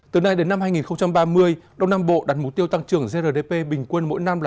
từ nay đến năm hai nghìn ba mươi đông nam bộ đặt mục tiêu tăng trưởng grdp bình quân mỗi năm là tám chín